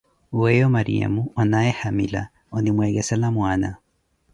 Weyo Maryamo, onaaye hamila, onimweekesela mwana.